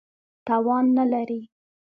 توان نه لري.